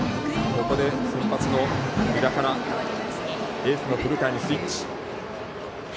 ここで先発の湯田からエースの古川にスイッチ。